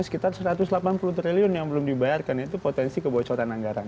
sekitar satu ratus delapan puluh triliun yang belum dibayarkan itu potensi kebocoran anggaran